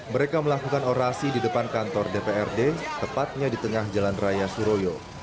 mereka melakukan orasi di depan kantor dprd tepatnya di tengah jalan raya suroyo